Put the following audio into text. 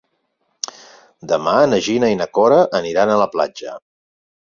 Demà na Gina i na Cora aniran a la platja.